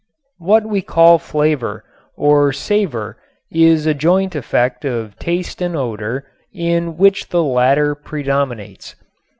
What we call flavor or savor is a joint effect of taste and odor in which the latter predominates.